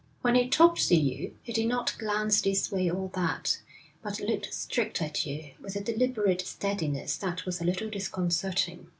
When he talked to you he did not glance this way or that, but looked straight at you with a deliberate steadiness that was a little disconcerting.